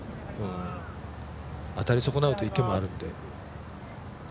当たり損なうと池もあるので。